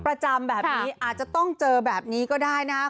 ประจำแบบนี้อาจจะต้องเจอแบบนี้ก็ได้นะครับ